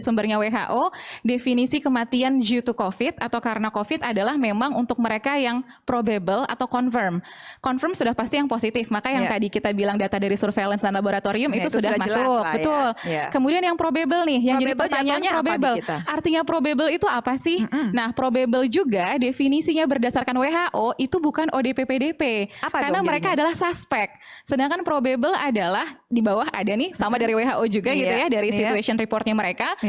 mereka adalah suspek sedangkan probable adalah di bawah ada nih sama dari who juga gitu ya dari situation reportnya mereka